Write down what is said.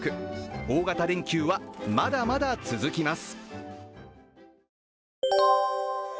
大型連休はまだまだ続きます。